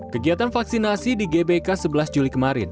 kegiatan vaksinasi di gpk sebelas juli